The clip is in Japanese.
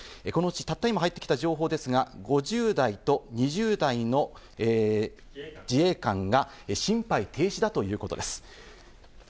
たった今入ってきた情報ですが、５０代と２０代の自衛官が心肺停止だということです。